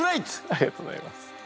ありがとうございます。